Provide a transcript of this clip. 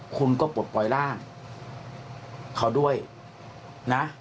คุณก็ปลดปล่อยร่างเขาด้วยนะ